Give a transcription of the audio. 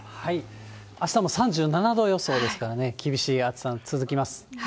あしたも３７度予想ですからね、厳しい暑さ続きます。